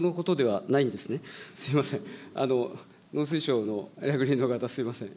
農水省のお役人の方、すみません。